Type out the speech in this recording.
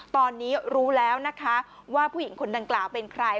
ตอนนี้รู้แล้วนะคะว่าผู้หญิงคนดังกล่าวเป็นใคร